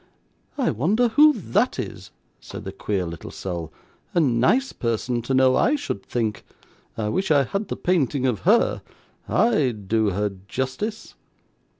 'I wonder who that is,' said the queer little soul. 'A nice person to know, I should think! I wish I had the painting of her: I'D do her justice.